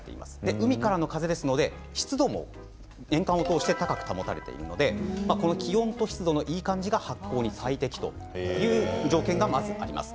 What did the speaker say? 海からの風ですので湿度も年間を通して高く保たれているので気温と湿度のいい感じが発酵に最適という条件がまずあります。